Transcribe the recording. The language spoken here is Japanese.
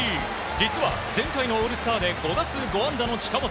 実は、前回のオールスターで５打数５安打の近本。